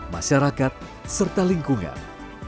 masyarakat serta lingkungan